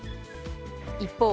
一方、